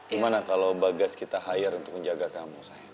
gimana kalau bagas kita hire untuk menjaga kamu